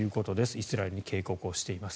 イスラエルに警告しています。